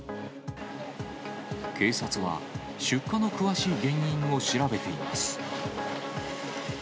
警察は、出火の詳しい原因を調べています。